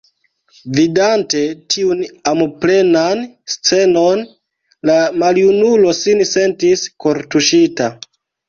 Vidante tiun amoplenan scenon, la maljunulo sin sentis kortuŝita.